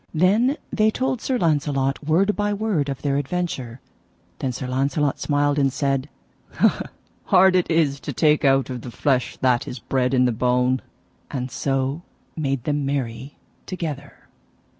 Then they told Sir Launcelot word by word of their adventure. Then Sir Launcelot smiled and said: Hard it is to take out of the flesh that is bred in the bone; and so made them merry together.